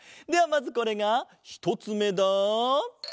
まずこれが１つめだ。